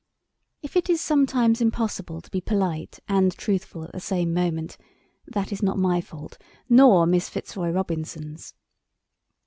If it is sometimes impossible to be polite and truthful at the same moment, that is not my fault, nor Miss Fitzroy Robinson's.